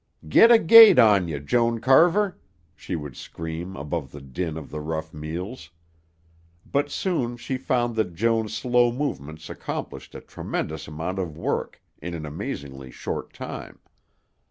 "Get a gait on ye, Joan Carver!" she would scream above the din of the rough meals, but soon she found that Joan's slow movements accomplished a tremendous amount of work in an amazingly short time.